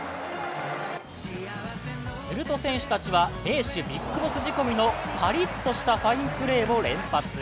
すると選手たちは盟主ＢＩＧＢＯＳＳ仕込みのパリッとしたファインプレーを連発。